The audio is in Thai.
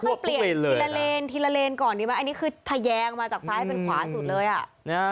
ค่อยเปลี่ยนทีละเลนก่อนแน่นี้คือทาแยอกลังมาจากซ้ำให้เป็นขวาสุดเลยเนี่ยค่ะ